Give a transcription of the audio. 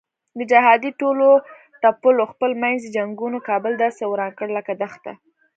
د جهادي ډلو ټپلو خپل منځي جنګونو کابل داسې وران کړ لکه دښته.